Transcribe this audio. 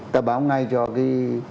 ta báo hôm nay cho cái